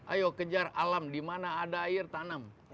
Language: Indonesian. ayo kejar alam dimana ada air tanam